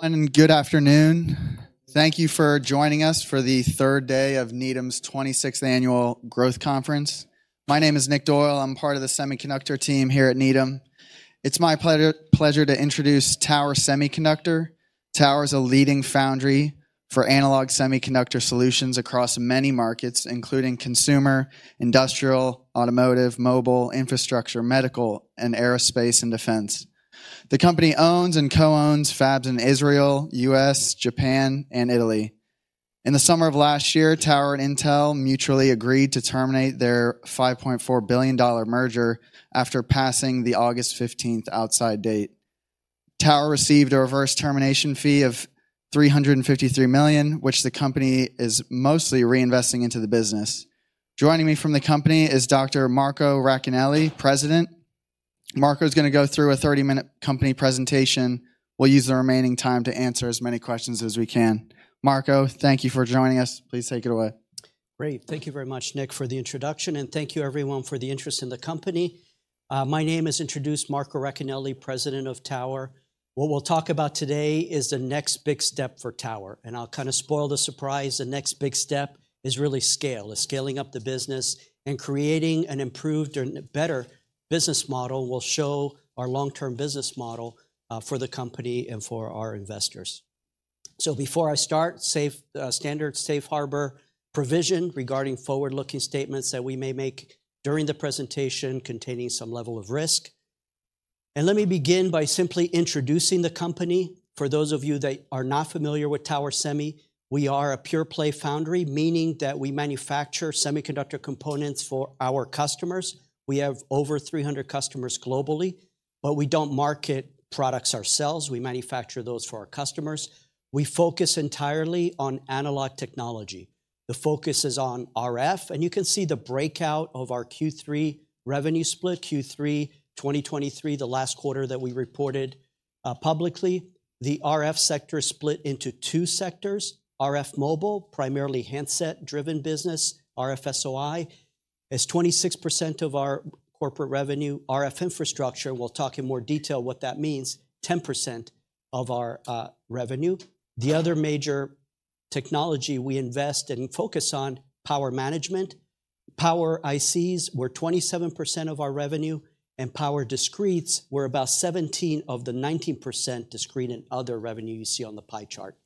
Hi, everyone, and good afternoon. Thank you for joining us for the 3rd day of Needham's 26th Annual Growth Conference. My name is Nick Doyle. I'm part of the semiconductor team here at Needham. It's my pleasure, pleasure to introduce Tower Semiconductor. Tower is a leading foundry for analog semiconductor solutions across many markets, including consumer, industrial, automotive, mobile, infrastructure, medical, and aerospace, and defense. The company owns and co-owns fabs in Israel, U.S., Japan, and Italy. In the summer of last year, Tower and Intel mutually agreed to terminate their $5.4 billion merger after passing the August 15th outside date. Tower received a reverse termination fee of $353 million, which the company is mostly reinvesting into the business. Joining me from the company is Dr. Marco Racanelli, President. Marco is gonna go through a 30-minute company presentation. We'll use the remaining time to answer as many questions as we can. Marco, thank you for joining us. Please take it away. Great. Thank you very much, Nick, for the introduction, and thank you, everyone, for the interest in the company. My name is Marco Racanelli, President of Tower. What we'll talk about today is the next big step for Tower, and I'll kind of spoil the surprise. The next big step is really scale. It's scaling up the business and creating an improved and better business model. We'll show our long-term business model for the company and for our investors. So before I start, standard safe harbor provision regarding forward-looking statements that we may make during the presentation containing some level of risk. Let me begin by simply introducing the company. For those of you that are not familiar with Tower Semi, we are a pure-play foundry, meaning that we manufacture semiconductor components for our customers. We have over 300 customers globally, but we don't market products ourselves. We manufacture those for our customers. We focus entirely on analog technology. The focus is on RF, and you can see the breakout of our Q3 revenue split, Q3 2023, the last quarter that we reported publicly. The RF sector is split into two sectors. RF Mobile, primarily handset-driven business. RF SOI is 26% of our corporate revenue. RF infrastructure, we'll talk in more detail what that means, 10% of our revenue. The other major technology we invest and focus on, power management. Power ICs were 27% of our revenue, and power discretes were about 17–19% of discrete and other revenue you see on the pie chart.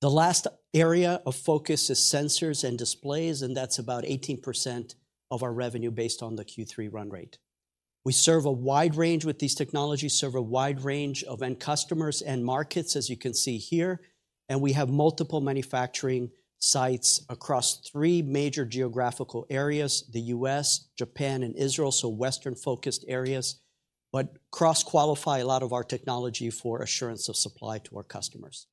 The last area of focus is sensors and displays, and that's about 18% of our revenue based on the Q3 run rate. We serve a wide range with these technologies, serve a wide range of end customers and markets, as you can see here, and we have multiple manufacturing sites across three major geographical areas: the U.S., Japan, and Israel, so Western-focused areas, but cross-qualify a lot of our technology for assurance of supply to our customers.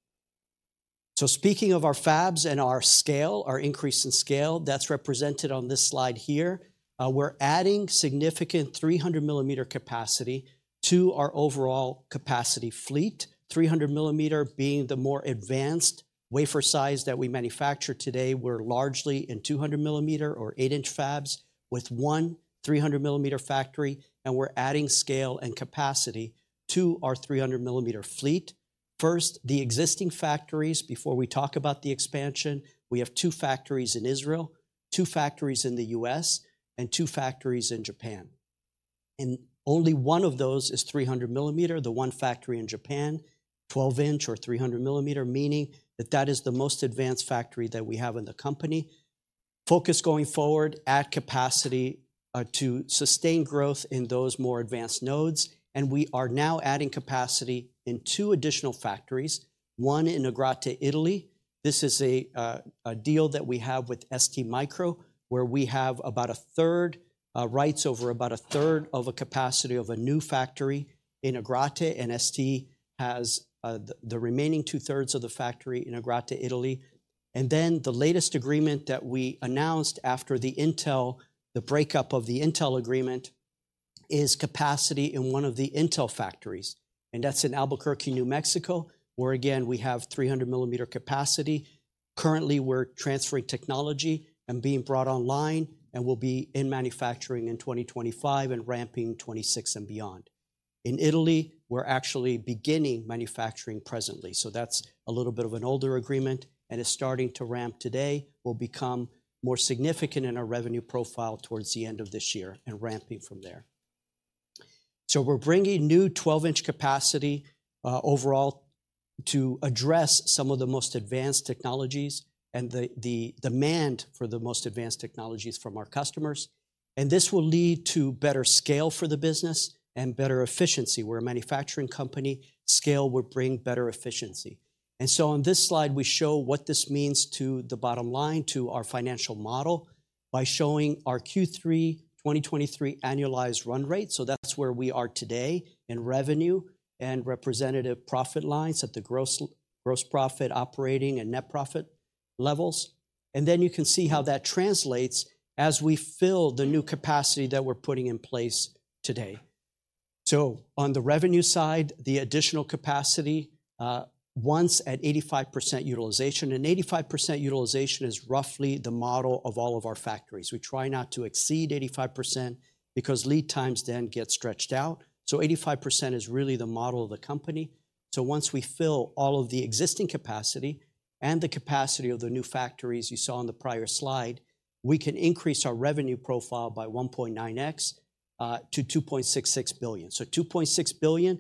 So speaking of our fabs and our scale, our increase in scale, that's represented on this slide here. We're adding significant 300-millimeter capacity to our overall capacity fleet, 300-millimeter being the more advanced wafer size that we manufacture today. We're largely in 200-millimeter or 8-inch fabs, with one 300-millimeter factory, and we're adding scale and capacity to our 300-millimeter fleet. First, the existing factories, before we talk about the expansion, we have two factories in Israel, two factories in the U.S., and two factories in Japan, and only one of those is 300 millimeter, the one factory in Japan, 12-inch or 300 millimeter, meaning that that is the most advanced factory that we have in the company. Focus going forward, add capacity, to sustain growth in those more advanced nodes, and we are now adding capacity in two additional factories, one in Agrate, Italy. This is a deal that we have with STMicro, where we have about a third rights over about a third of a capacity of a new factory in Agrate, and ST has the remaining two-thirds of the factory in Agrate, Italy. And then the latest agreement that we announced after the Intel, the breakup of the Intel agreement, is capacity in one of the Intel factories, and that's in Albuquerque, New Mexico, where, again, we have 300 millimeter capacity. Currently, we're transferring technology and being brought online, and we'll be in manufacturing in 2025 and ramping 2026 and beyond. In Italy, we're actually beginning manufacturing presently, so that's a little bit of an older agreement and is starting to ramp today, will become more significant in our revenue profile towards the end of this year and ramping from there. So we're bringing new 12-inch capacity, overall, to address some of the most advanced technologies and the, the demand for the most advanced technologies from our customers, and this will lead to better scale for the business and better efficiency. We're a manufacturing company. Scale will bring better efficiency. So on this slide, we show what this means to the bottom line, to our financial model, by showing our Q3 2023 annualized run rate. That's where we are today in revenue and representative profit lines at the gross, gross profit, operating, and net profit levels. Then you can see how that translates as we fill the new capacity that we're putting in place today. So on the revenue side, the additional capacity, once at 85% utilization, and 85% utilization is roughly the model of all of our factories. We try not to exceed 85%, because lead times then get stretched out, so 85% is really the model of the company. So once we fill all of the existing capacity... and the capacity of the new factories you saw on the prior slide, we can increase our revenue profile by 1.9x to $2.66 billion. So $2.6 billion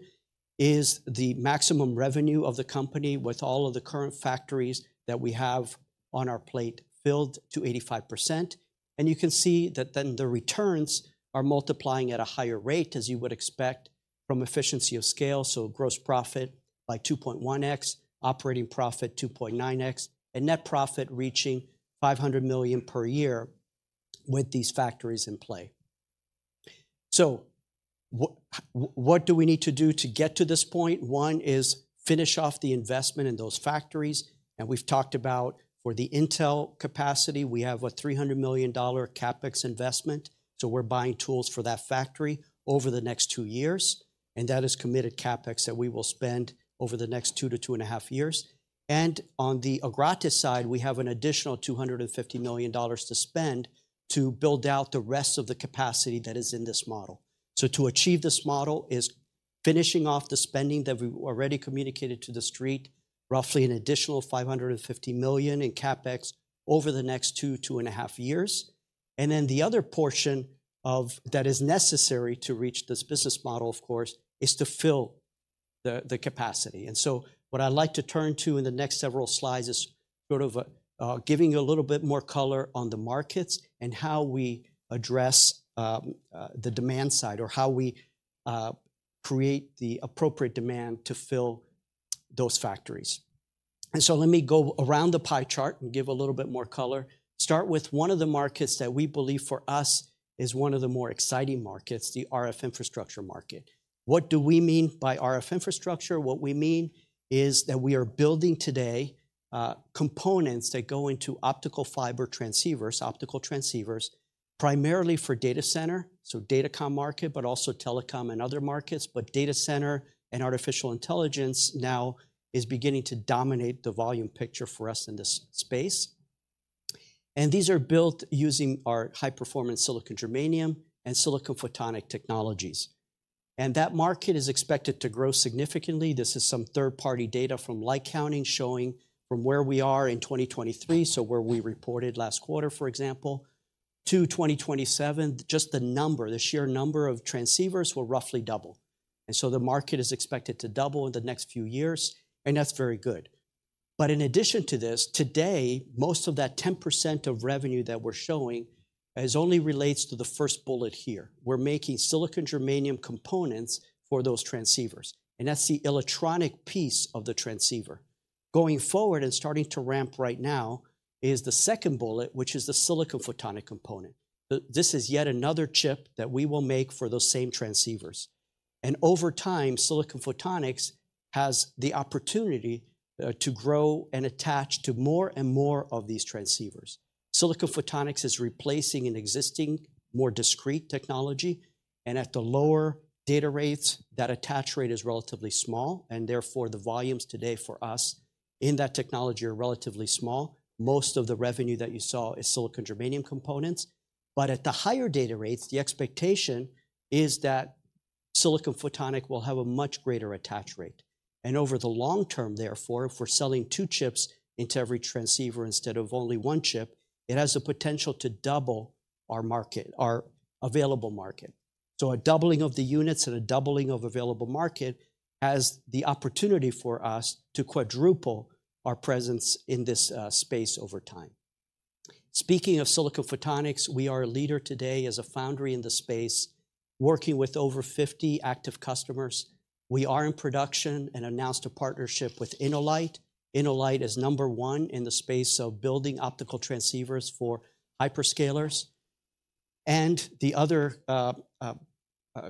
is the maximum revenue of the company with all of the current factories that we have on our plate filled to 85%. And you can see that then the returns are multiplying at a higher rate, as you would expect from efficiency of scale. So gross profit by 2.1x, operating profit 2.9x, and net profit reaching $500 million per year with these factories in play. So what do we need to do to get to this point? One is finish off the investment in those factories, and we've talked about for the Intel capacity, we have a $300 million CapEx investment. So we're buying tools for that factory over the next 2 years, and that is committed CapEx that we will spend over the next 2-2.5 years. And on the Agrate side, we have an additional $250 million to spend to build out the rest of the capacity that is in this model. So to achieve this model is finishing off the spending that we've already communicated to the street, roughly an additional $550 million in CapEx over the next 2-2.5 years. And then the other portion of that is necessary to reach this business model, of course, is to fill the capacity. And so what I'd like to turn to in the next several slides is sort of giving you a little bit more color on the markets and how we address the demand side, or how we create the appropriate demand to fill those factories. And so let me go around the pie chart and give a little bit more color. Start with one of the markets that we believe for us is one of the more exciting markets, the RF infrastructure market. What do we mean by RF infrastructure? What we mean is that we are building today components that go into optical fiber transceivers, optical transceivers, primarily for data center, so datacom market, but also telecom and other markets. But data center and artificial intelligence now is beginning to dominate the volume picture for us in this space. And these are built using our high-performance silicon germanium and silicon photonic technologies. And that market is expected to grow significantly. This is some third-party data from LightCounting, showing from where we are in 2023, so where we reported last quarter, for example, to 2027, just the number, the sheer number of transceivers will roughly double. And so the market is expected to double in the next few years, and that's very good. But in addition to this, today, most of that 10% of revenue that we're showing, as only relates to the first bullet here. We're making silicon germanium components for those transceivers, and that's the electronic piece of the transceiver. Going forward and starting to ramp right now is the second bullet, which is the silicon photonic component. This is yet another chip that we will make for those same transceivers. And over time, silicon photonics has the opportunity to grow and attach to more and more of these transceivers. Silicon photonics is replacing an existing, more discrete technology, and at the lower data rates, that attach rate is relatively small, and therefore, the volumes today for us in that technology are relatively small. Most of the revenue that you saw is silicon germanium components. But at the higher data rates, the expectation is that silicon photonic will have a much greater attach rate. And over the long term, therefore, if we're selling two chips into every transceiver instead of only one chip, it has the potential to double our market, our available market. So a doubling of the units and a doubling of available market has the opportunity for us to quadruple our presence in this space over time. Speaking of silicon photonics, we are a leader today as a foundry in the space, working with over 50 active customers. We are in production and announced a partnership with InnoLight. InnoLight is number one in the space of building optical transceivers for hyperscalers, and the other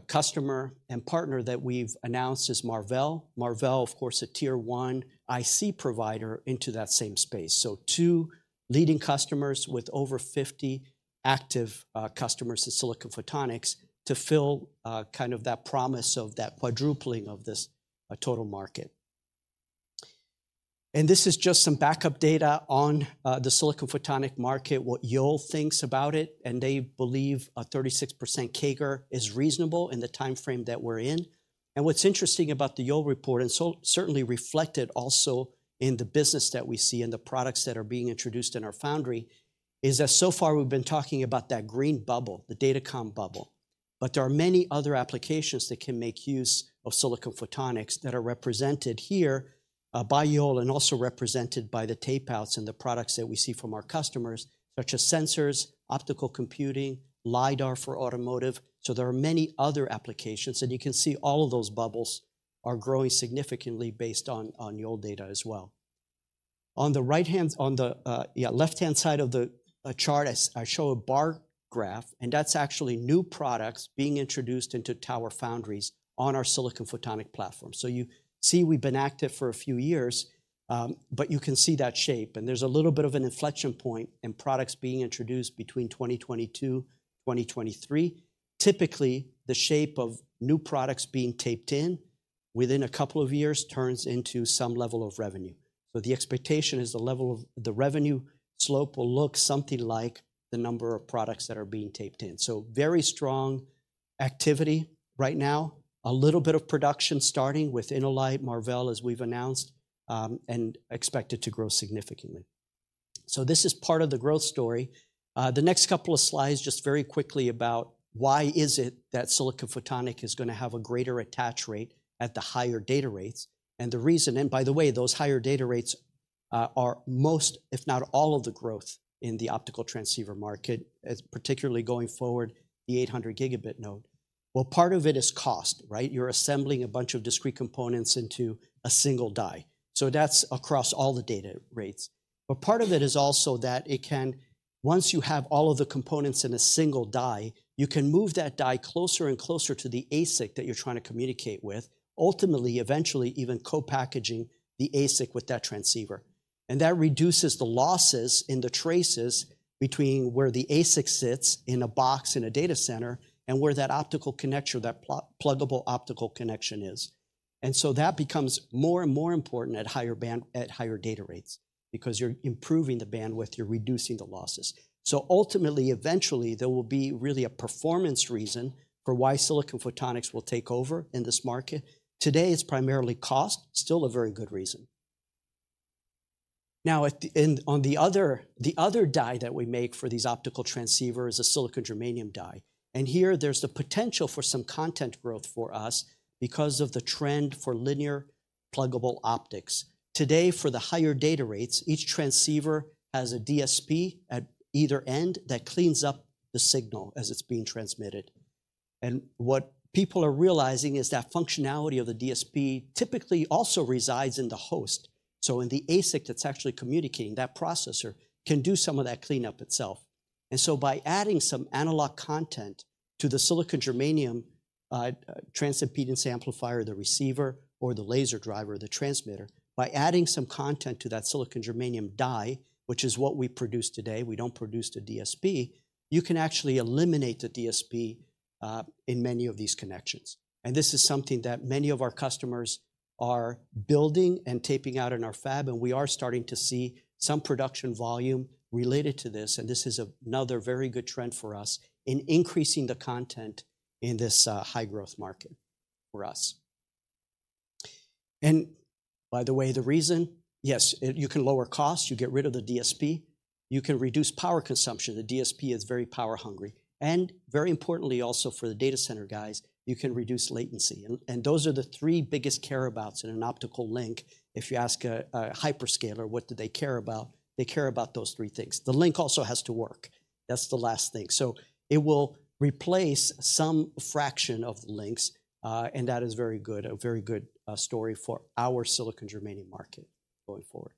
customer and partner that we've announced is Marvell. Marvell, of course, a tier one IC provider into that same space. So two leading customers with over 50 active customers in silicon photonics to fill kind of that promise of that quadrupling of this total market. And this is just some backup data on the silicon photonic market, what Yole thinks about it, and they believe a 36% CAGR is reasonable in the time frame that we're in. What's interesting about the Yole report, and so certainly reflected also in the business that we see and the products that are being introduced in our foundry, is that so far we've been talking about that green bubble, the datacom bubble. But there are many other applications that can make use of silicon photonics that are represented here by Yole, and also represented by the tape outs and the products that we see from our customers, such as sensors, optical computing, lidar for automotive. So there are many other applications, and you can see all of those bubbles are growing significantly based on Yole data as well. On the left-hand side of the chart, I show a bar graph, and that's actually new products being introduced into Tower Foundries on our silicon photonic platform. So you see we've been active for a few years, but you can see that shape. And there's a little bit of an inflection point in products being introduced between 2022, 2023. Typically, the shape of new products being taped in within a couple of years turns into some level of revenue. So the expectation is the level of the revenue slope will look something like the number of products that are being taped in. So very strong activity right now, a little bit of production starting with InnoLight, Marvell, as we've announced, and expected to grow significantly. So this is part of the growth story. The next couple of slides, just very quickly, about why is it that silicon photonics is gonna have a greater attach rate at the higher data rates? And by the way, those higher data rates are most, if not all, of the growth in the optical transceiver market, as particularly going forward, the 800 gigabit node. Well, part of it is cost, right? You're assembling a bunch of discrete components into a single die, so that's across all the data rates. But part of it is also that it can—Once you have all of the components in a single die, you can move that die closer and closer to the ASIC that you're trying to communicate with, ultimately, eventually, even co-packaging the ASIC with that transceiver. And that reduces the losses in the traces between where the ASIC sits in a box in a data center and where that optical connection, that pluggable optical connection is. And so that becomes more and more important at higher data rates because you're improving the bandwidth, you're reducing the losses. So ultimately, eventually, there will be really a performance reason for why silicon photonics will take over in this market. Today, it's primarily cost. Still a very good reason. Now, the other die that we make for these optical transceiver is a silicon germanium die, and here there's the potential for some content growth for us because of the trend for linear pluggable optics. Today, for the higher data rates, each transceiver has a DSP at either end that cleans up the signal as it's being transmitted. And what people are realizing is that functionality of the DSP typically also resides in the host. So in the ASIC that's actually communicating, that processor can do some of that cleanup itself. And so by adding some analog content to the silicon germanium transimpedance amplifier, the receiver, or the laser driver, the transmitter, by adding some content to that silicon germanium die, which is what we produce today, we don't produce the DSP. You can actually eliminate the DSP in many of these connections. And this is something that many of our customers are building and taping out in our fab, and we are starting to see some production volume related to this, and this is another very good trend for us in increasing the content in this high-growth market for us. And by the way, the reason, yes, you can lower cost, you get rid of the DSP, you can reduce power consumption, the DSP is very power-hungry, and very importantly also, for the data center guys, you can reduce latency. Those are the three biggest care abouts in an optical link. If you ask a hyperscaler, what do they care about? They care about those three things. The link also has to work. That's the last thing. So it will replace some fraction of the links, and that is very good, a very good story for our silicon germanium market going forward.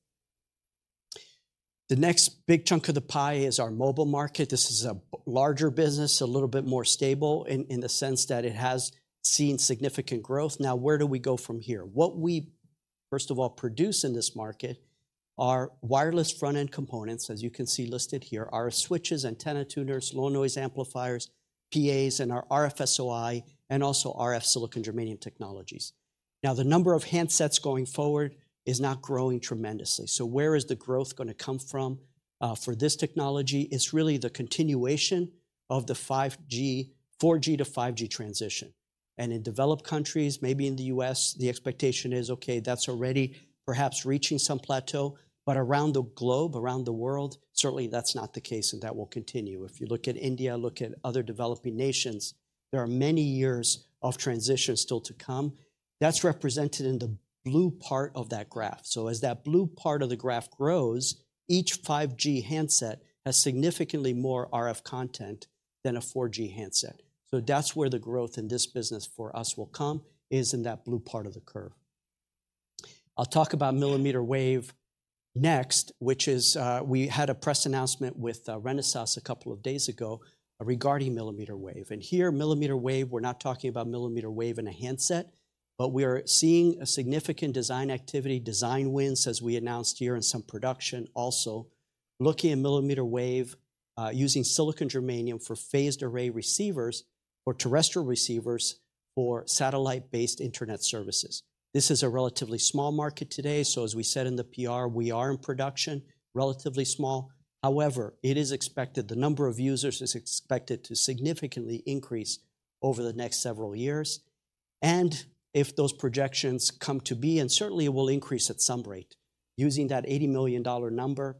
The next big chunk of the pie is our mobile market. This is a bit larger business, a little bit more stable in the sense that it has seen significant growth. Now, where do we go from here? What we first of all produce in this market are wireless front-end components, as you can see listed here, RF switches, antenna tuners, low noise amplifiers, PAs, and our RF SOI, and also RF silicon germanium technologies. Now, the number of handsets going forward is not growing tremendously. So where is the growth gonna come from for this technology? It's really the continuation of the 5G, 4G to 5G transition. And in developed countries, maybe in the U.S., the expectation is, okay, that's already perhaps reaching some plateau, but around the globe, around the world, certainly that's not the case, and that will continue. If you look at India, look at other developing nations, there are many years of transition still to come. That's represented in the blue part of that graph. So as that blue part of the graph grows, each 5G handset has significantly more RF content than a 4G handset. So that's where the growth in this business for us will come, is in that blue part of the curve. I'll talk about millimeter wave next, which is. We had a press announcement with Renesas a couple of days ago, regarding millimeter wave. And here, millimeter wave, we're not talking about millimeter wave in a handset, but we are seeing a significant design activity, design wins, as we announced here, and some production also. Looking at millimeter wave, using silicon germanium for phased array receivers or terrestrial receivers for satellite-based internet services. This is a relatively small market today, so as we said in the PR, we are in production, relatively small. However, it is expected, the number of users is expected to significantly increase over the next several years, and if those projections come to be, and certainly it will increase at some rate, using that $80 million number,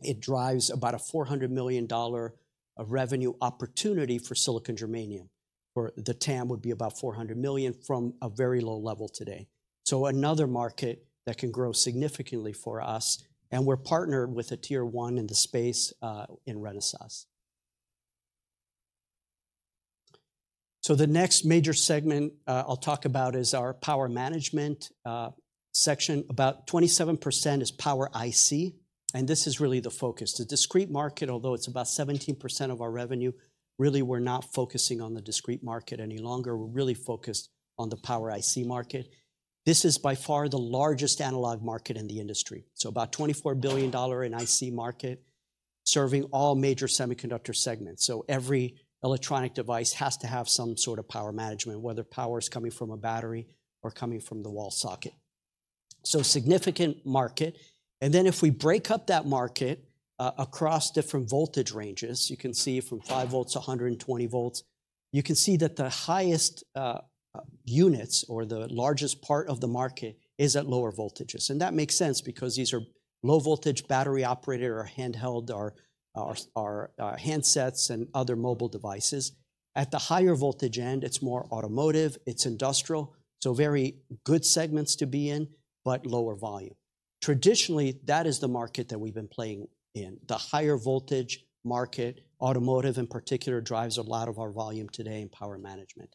it drives about a $400 million of revenue opportunity for silicon germanium, or the TAM would be about $400 million from a very low level today. So another market that can grow significantly for us, and we're partnered with a tier one in the space, in Renesas. So the next major segment, I'll talk about is our power management, section. About 27% is power IC, and this is really the focus. The discrete market, although it's about 17% of our revenue, really, we're not focusing on the discrete market any longer. We're really focused on the power IC market. This is by far the largest analog market in the industry. So about $24 billion in IC market, serving all major semiconductor segments. So every electronic device has to have some sort of power management, whether power is coming from a battery or coming from the wall socket. So significant market. And then if we break up that market, across different voltage ranges, you can see from five volts to 120 volts, you can see that the highest units or the largest part of the market is at lower voltages. And that makes sense because these are low voltage, battery-operated or handheld or handsets and other mobile devices. At the higher voltage end, it's more automotive, it's industrial, so very good segments to be in, but lower volume. Traditionally, that is the market that we've been playing in. The higher voltage market, automotive in particular, drives a lot of our volume today in power management.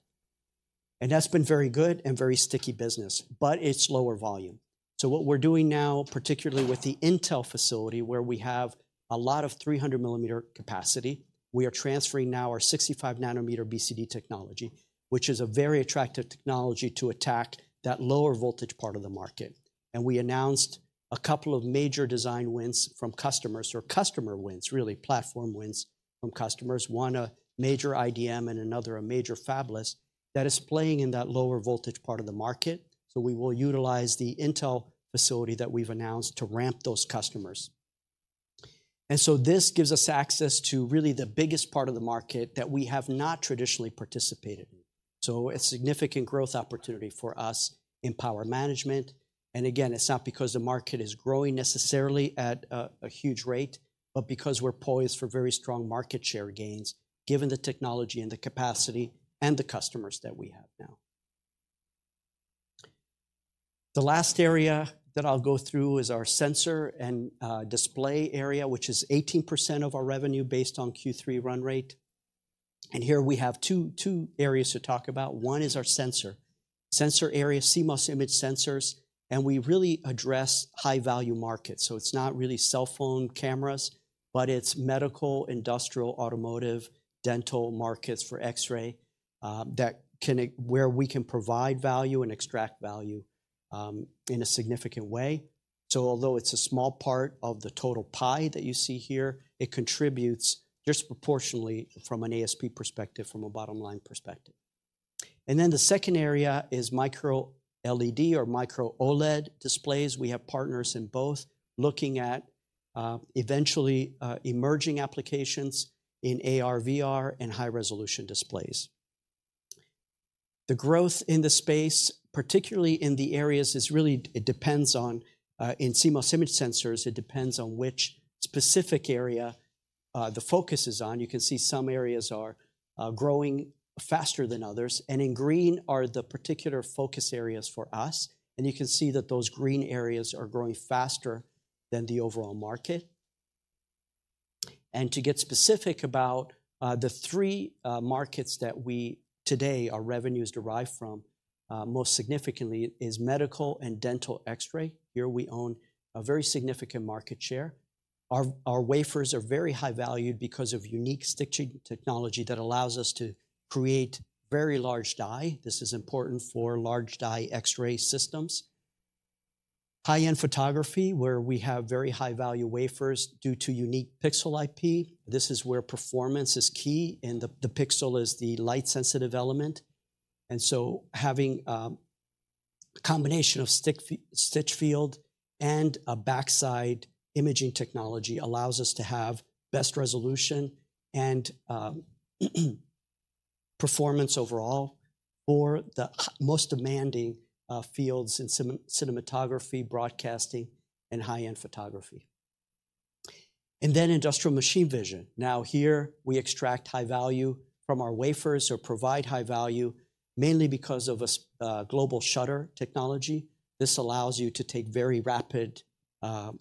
That's been very good and very sticky business, but it's lower volume. What we're doing now, particularly with the Intel facility, where we have a lot of 300 mm capacity, we are transferring now our 65 nm BCD technology, which is a very attractive technology to attack that lower voltage part of the market. We announced a couple of major design wins from customers or customer wins, really, platform wins from customers. One, a major IDM and another, a major fabless, that is playing in that lower voltage part of the market. We will utilize the Intel facility that we've announced to ramp those customers. This gives us access to really the biggest part of the market that we have not traditionally participated in. So a significant growth opportunity for us in power management, and again, it's not because the market is growing necessarily at a huge rate, but because we're poised for very strong market share gains, given the technology and the capacity and the customers that we have now. The last area that I'll go through is our sensor and display area, which is 18% of our revenue based on Q3 run rate. And here we have two areas to talk about. One is our sensor area, CMOS image sensors, and we really address high-value markets. So it's not really cell phone cameras, but it's medical, industrial, automotive, dental markets for X-ray where we can provide value and extract value in a significant way. So although it's a small part of the total pie that you see here, it contributes disproportionately from an ASP perspective, from a bottom-line perspective. And then the second area is micro-LED or micro-OLED displays. We have partners in both, looking at, eventually, emerging applications in AR/VR and high-resolution displays. The growth in the space, particularly in the areas, is really. It depends on, in CMOS image sensors, it depends on which specific area, the focus is on. You can see some areas are, growing faster than others, and in green are the particular focus areas for us. And you can see that those green areas are growing faster than the overall market. And to get specific about, the three, markets that we today, our revenues derive from, most significantly, is medical and dental X-ray. Here we own a very significant market share. Our wafers are very high valued because of unique stitch field technology that allows us to create very large die. This is important for large die X-ray systems. High-end photography, where we have very high-value wafers due to unique pixel IP. This is where performance is key, and the pixel is the light-sensitive element. And so having a combination of stitch field and a backside imaging technology allows us to have best resolution and performance overall for the most demanding fields in cinematography, broadcasting, and high-end photography. And then industrial machine vision. Now, here we extract high value from our wafers or provide high value, mainly because of a global shutter technology. This allows you to take very rapid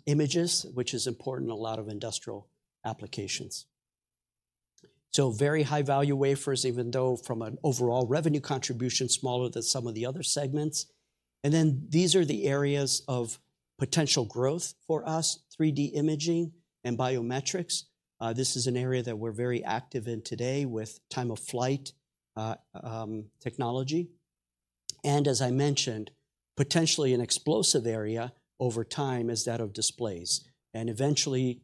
images, which is important in a lot of industrial applications. So very high-value wafers, even though from an overall revenue contribution, smaller than some of the other segments. And then these are the areas of potential growth for us: 3D imaging and biometrics. This is an area that we're very active in today with time-of-flight technology. And as I mentioned, potentially an explosive area over time is that of displays. And eventually,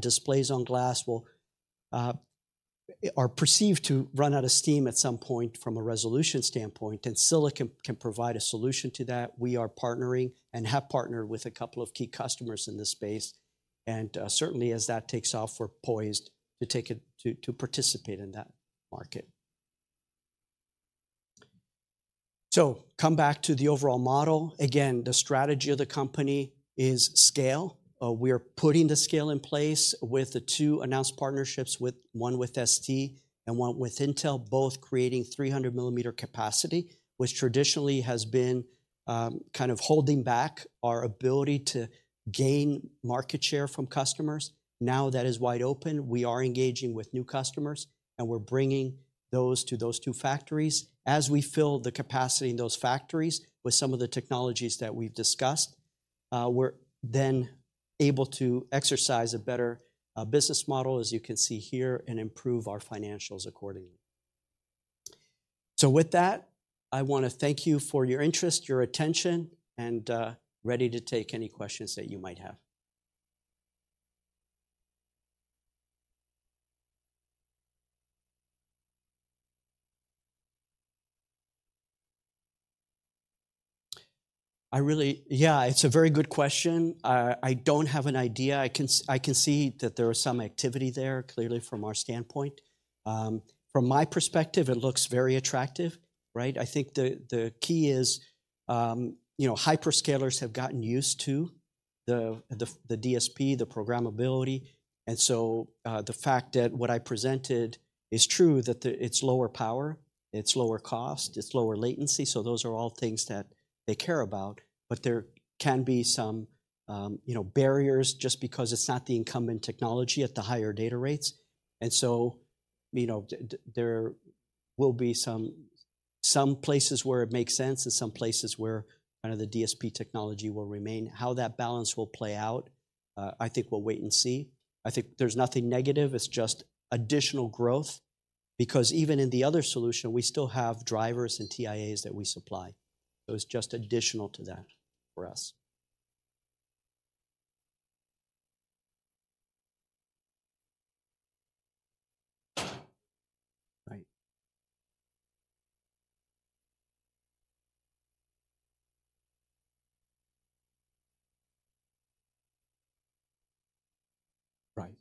displays on glass will be perceived to run out of steam at some point from a resolution standpoint, and silicon can provide a solution to that. We are partnering and have partnered with a couple of key customers in this space, and certainly, as that takes off, we're poised to participate in that market. So come back to the overall model. Again, the strategy of the company is scale. We are putting the scale in place with the two announced partnerships, with one with ST and one with Intel, both creating 300 mm capacity, which traditionally has been, kind of holding back our ability to gain market share from customers. Now that is wide open, we are engaging with new customers, and we're bringing those to those two factories. As we fill the capacity in those factories with some of the technologies that we've discussed, we're then able to exercise a better, business model, as you can see here, and improve our financials accordingly. So with that, I want to thank you for your interest, your attention, and ready to take any questions that you might have. I really, yeah, it's a very good question. I don't have an idea. I can see that there is some activity there, clearly, from our standpoint. From my perspective, it looks very attractive, right? I think the key is, you know, hyperscalers have gotten used to the DSP, the programmability, and so, the fact that what I presented is true, that it's lower power, it's lower cost, it's lower latency, so those are all things that they care about. But there can be some, you know, barriers just because it's not the incumbent technology at the higher data rates. And so, you know, there will be some places where it makes sense and some places where kind of the DSP technology will remain. How that balance will play out, I think we'll wait and see. I think there's nothing negative, it's just additional growth, because even in the other solution, we still have drivers and TIAs that we supply. So it's just additional to that for us. Right. Right.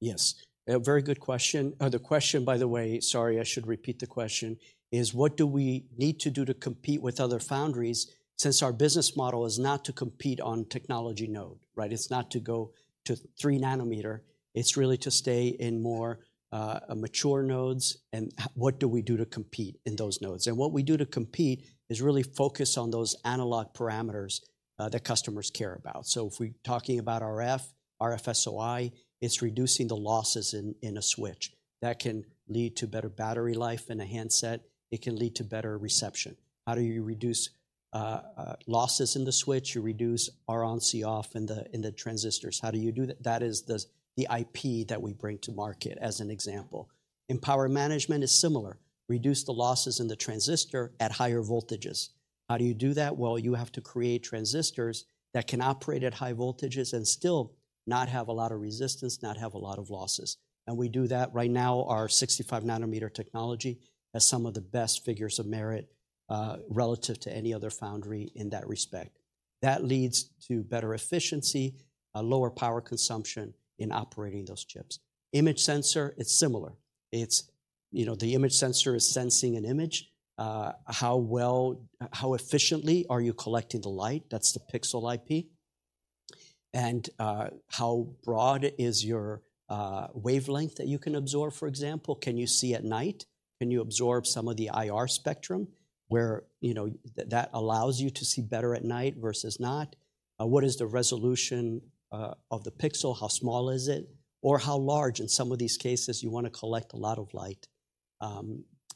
Yes, a very good question. The question, by the way, sorry, I should repeat the question, is what do we need to do to compete with other foundries since our business model is not to compete on technology node, right? It's not to go to 3 nanometer. It's really to stay in more mature nodes, and what do we do to compete in those nodes? And what we do to compete is really focus on those analog parameters that customers care about. So if we're talking about RF, RF-SOI, it's reducing the losses in a switch. That can lead to better battery life in a handset. It can lead to better reception. How do you reduce losses in the switch? You reduce RON, COFF in the transistors. How do you do that? That is the IP that we bring to market, as an example. In power management, it's similar. Reduce the losses in the transistor at higher voltages. How do you do that? Well, you have to create transistors that can operate at high voltages and still not have a lot of resistance, not have a lot of losses. And we do that. Right now, our 65-nanometer technology has some of the best figures of merit relative to any other foundry in that respect. That leads to better efficiency, a lower power consumption in operating those chips. Image sensor, it's similar. It's, you know, the image sensor is sensing an image. How well, how efficiently are you collecting the light? That's the pixel IP. And, how broad is your wavelength that you can absorb, for example? Can you see at night? Can you absorb some of the IR spectrum where, you know, that allows you to see better at night versus not? What is the resolution of the pixel? How small is it, or how large? In some of these cases, you wanna collect a lot of light,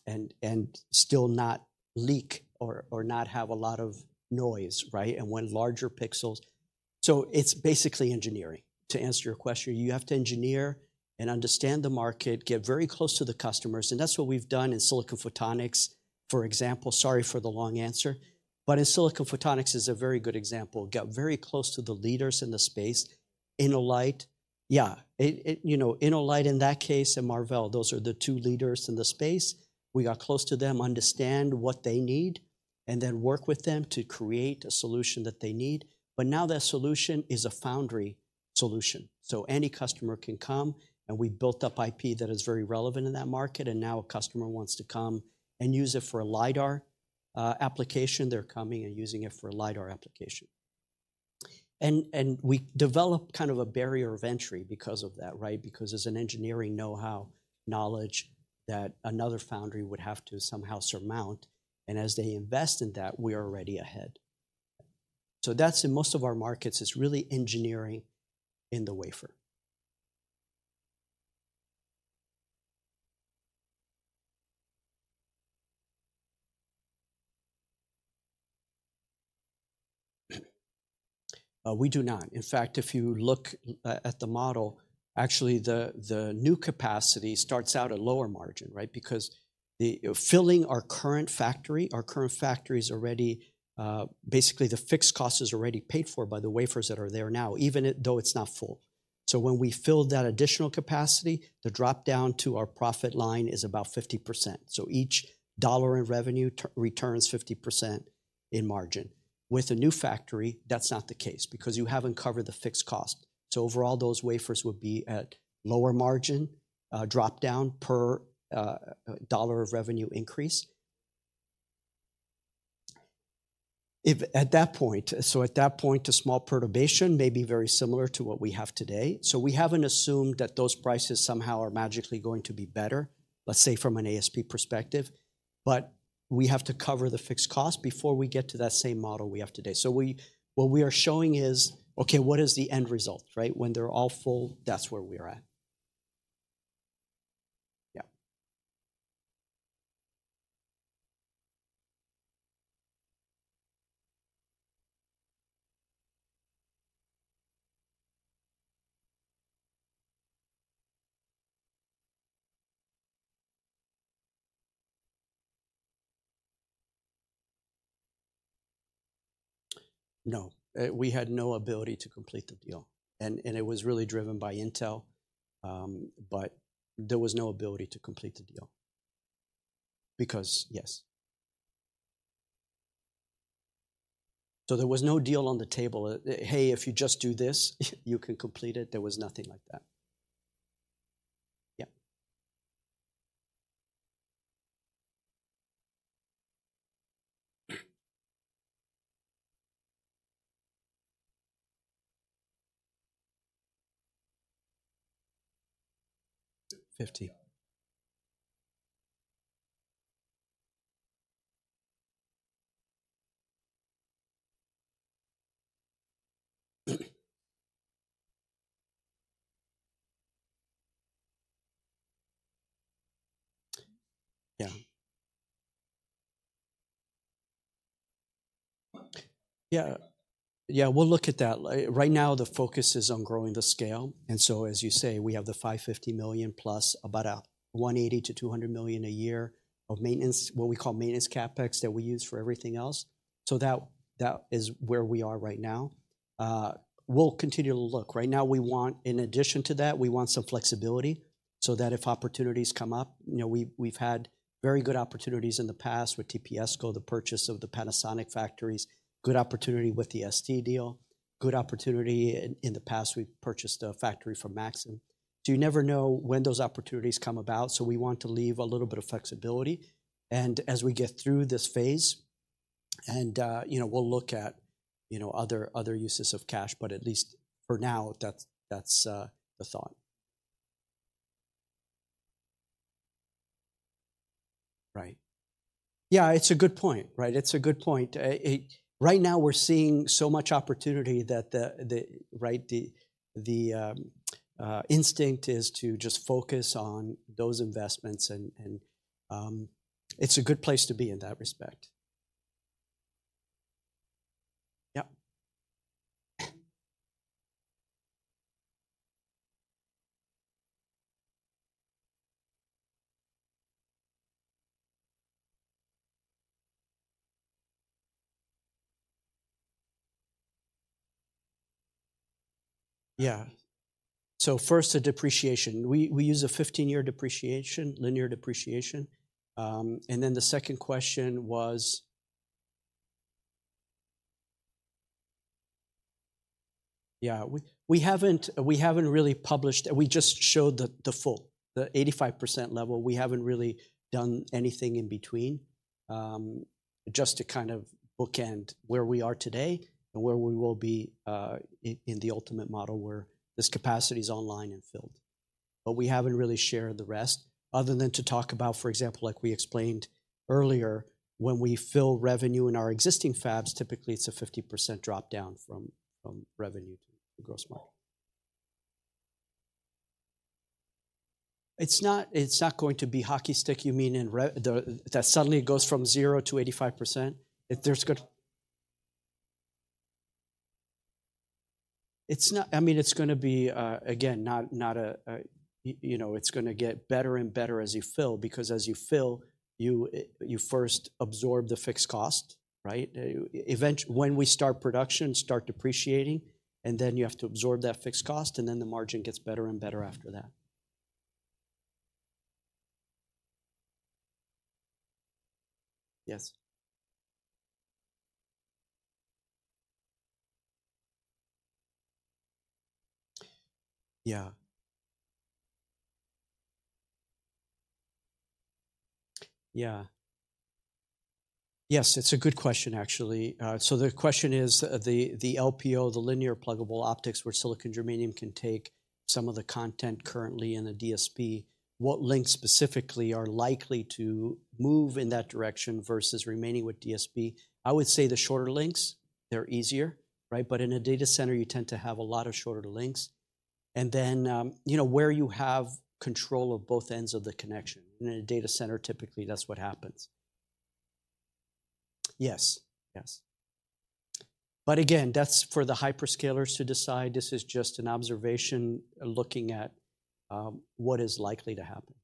and still not leak or not have a lot of noise, right? And when larger pixels... So it's basically engineering, to answer your question. You have to engineer and understand the market, get very close to the customers, and that's what we've done in silicon photonics, for example. Sorry for the long answer, but silicon photonics is a very good example. Got very close to the leaders in the space, InnoLight. Yeah, it, it, you know, InnoLight, in that case, and Marvell, those are the two leaders in the space. We got close to them, understand what they need, and then work with them to create a solution that they need. But now that solution is a foundry solution, so any customer can come, and we've built up IP that is very relevant in that market, and now a customer wants to come and use it for a Lidar application. They're coming and using it for a Lidar application. And we developed kind of a barrier of entry because of that, right? Because it's an engineering know-how knowledge that another foundry would have to somehow surmount, and as they invest in that, we are already ahead. So that's in most of our markets, it's really engineering in the wafer. We do not. In fact, if you look at the model, actually, the new capacity starts out at lower margin, right? Because filling our current factory, our current factory is already, basically, the fixed cost is already paid for by the wafers that are there now, even though it's not full. So when we fill that additional capacity, the drop-down to our profit line is about 50%. So each $1 in revenue returns 50% in margin. With a new factory, that's not the case, because you haven't covered the fixed cost. So overall, those wafers would be at lower margin, drop-down per, dollar of revenue increase. If at that point, so at that point, a small perturbation may be very similar to what we have today. So we haven't assumed that those prices somehow are magically going to be better, let's say, from an ASP perspective, but we have to cover the fixed cost before we get to that same model we have today. So we, what we are showing is, okay, what is the end result, right? When they're all full, that's where we're at. Yeah. No, we had no ability to complete the deal. And, and it was really driven by Intel, but there was no ability to complete the deal. Because, yes. So there was no deal on the table, that, "Hey, if you just do this, you can complete it." There was nothing like that. Yeah. 50. Yeah. Yeah, yeah, we'll look at that. Like, right now, the focus is on growing the scale, and so as you say, we have the $550 million plus about $180-$200 million a year of maintenance, what we call maintenance CapEx, that we use for everything else. So that, that is where we are right now. We'll continue to look. Right now, we want. In addition to that, we want some flexibility, so that if opportunities come up. You know, we've, we've had very good opportunities in the past with TPSCo, the purchase of the Panasonic factories, good opportunity with the ST deal, good opportunity in the past, we purchased a factory from Maxim. So you never know when those opportunities come about, so we want to leave a little bit of flexibility. As we get through this phase, you know, we'll look at you know other uses of cash, but at least for now, that's the thought. Right. Yeah, it's a good point. Right, it's a good point. Right now, we're seeing so much opportunity that the instinct is to just focus on those investments, and it's a good place to be in that respect. Yep. Yeah. So first, the depreciation. We use a 15-year depreciation, linear depreciation. And then the second question was? Yeah, we haven't really published. We just showed the full 85% level. We haven't really done anything in between. Just to kind of bookend where we are today and where we will be in the ultimate model, where this capacity is online and filled. But we haven't really shared the rest, other than to talk about, for example, like we explained earlier, when we fill revenue in our existing fabs, typically it's a 50% drop-down from revenue to the gross margin. It's not, it's not going to be hockey stick, you mean in re-- the, that suddenly it goes from zero to 85%? If there's good... It's not-- I mean, it's gonna be, again, not a, you know, it's gonna get better and better as you fill, because as you fill, you first absorb the fixed cost, right? When we start production, start depreciating, and then you have to absorb that fixed cost, and then the margin gets better and better after that. Yes. Yeah. Yeah. Yes, it's a good question, actually. So the question is, the LPO, the linear pluggable optics, where silicon germanium can take some of the content currently in the DSP, what links specifically are likely to move in that direction versus remaining with DSP? I would say the shorter links, they're easier, right? But in a data center, you tend to have a lot of shorter links. And then, you know, where you have control of both ends of the connection. In a data center, typically, that's what happens. Yes, yes. But again, that's for the hyperscalers to decide. This is just an observation, looking at what is likely to happen.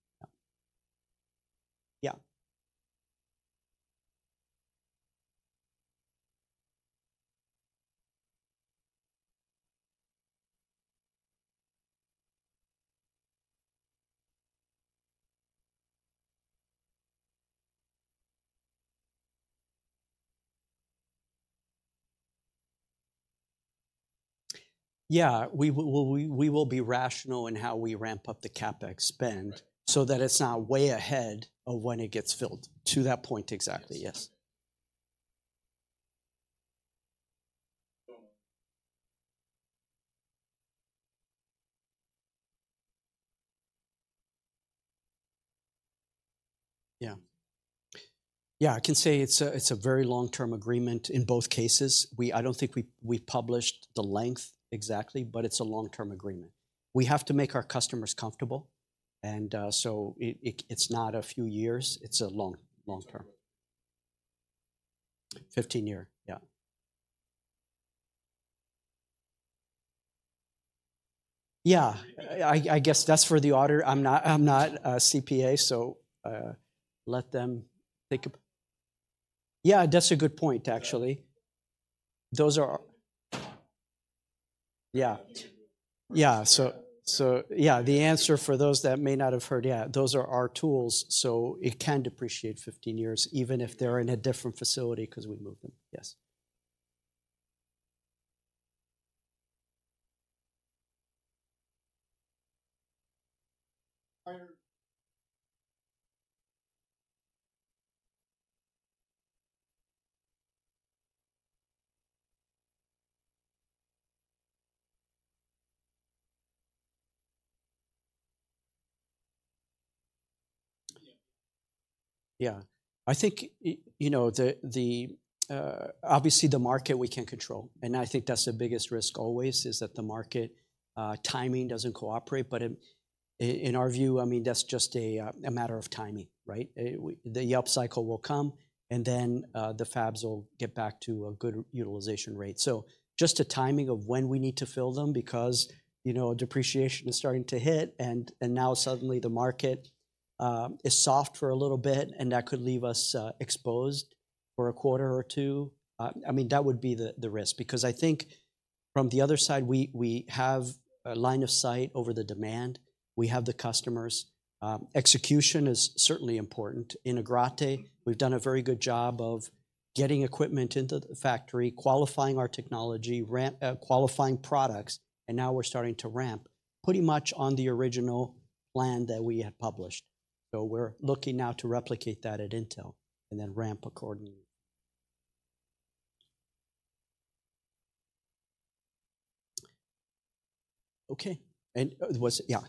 Yeah. Yeah. Yeah, we will be rational in how we ramp up the CapEx spend- Right. so that it's not way ahead of when it gets filled. To that point exactly. Yes. Yes. So- Yeah. Yeah, I can say it's a very long-term agreement in both cases. We—I don't think we've published the length exactly, but it's a long-term agreement. We have to make our customers comfortable, and so it, it's not a few years. It's a long, long term. Long term. 15-year. Yeah. Yeah, I guess that's for the auditor. I'm not a CPA, so let them think. Yeah, that's a good point, actually. Those are. Yeah. Yeah, so yeah, the answer for those that may not have heard, yeah, those are our tools, so it can depreciate 15 years, even if they're in a different facility, 'cause we moved them. Yes. Yeah. I think, you know, obviously, the market we can't control, and I think that's the biggest risk always, is that the market timing doesn't cooperate. But in our view, I mean, that's just a matter of timing, right? The up cycle will come, and then the fabs will get back to a good utilization rate. So just the timing of when we need to fill them, because, you know, depreciation is starting to hit, and now suddenly the market is soft for a little bit, and that could leave us exposed for a quarter or two. I mean, that would be the risk, because I think from the other side, we have a line of sight over the demand, we have the customers. Execution is certainly important. In Agrate, we've done a very good job of getting equipment into the factory, qualifying our technology, qualifying products, and now we're starting to ramp, pretty much on the original plan that we had published. So we're looking now to replicate that at Intel and then ramp accordingly. Okay. And, was it-- Yeah.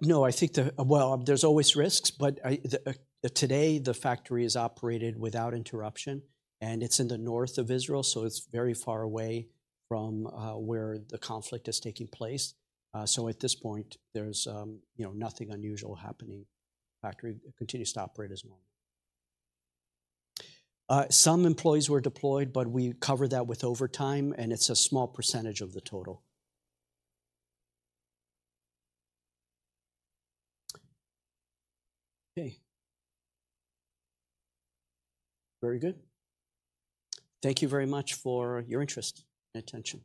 No, I think. Well, there's always risks, but today, the factory is operated without interruption, and it's in the north of Israel, so it's very far away from where the conflict is taking place. So at this point, there's, you know, nothing unusual happening. Factory continues to operate as normal. Some employees were deployed, but we covered that with overtime, and it's a small percentage of the total. Okay. Very good. Thank you very much for your interest and attention.